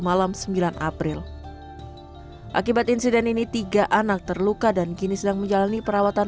malam sembilan april akibat insiden ini tiga anak terluka dan kini sedang menjalani perawatan